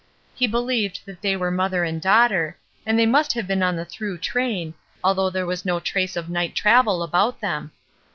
He believed that they were mother and daughter, and they must have been on the through train, although there was no trace of night travel about them.